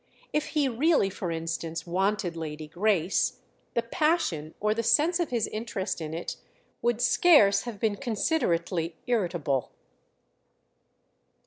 If he really, for instance, wanted Lady Grace, the passion or the sense of his interest in it would scarce have been considerately irritable.